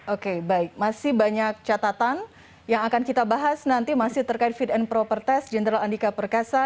oke baik masih banyak catatan yang akan kita bahas nanti masih terkait fit and proper test jenderal andika perkasa